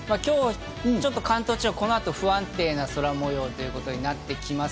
関東地方、この後、不安定な空模様となってきます。